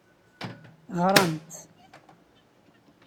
Ɣrant.